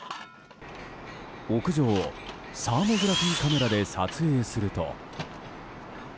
屋上をサーモグラフィーカメラで撮影すると。